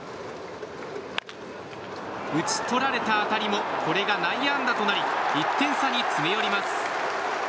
打ち取られた当たりもこれが内野安打となり１点差に詰め寄ります。